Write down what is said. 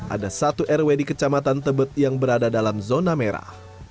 ada satu rw di kecamatan tebet yang berada dalam zona merah